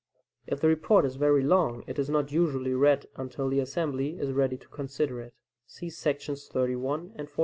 If the report is very long, it is not usually read until the assembly is ready to consider it [see §§ 31 and 44].